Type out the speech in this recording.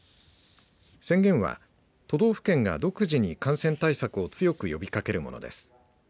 宣言は、都道府県が独自に感染対策を強く呼びかけるものです。